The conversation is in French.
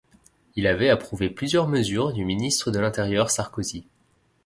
Il avait approuvé plusieurs mesures du ministre de l'Intérieur Sarkozy.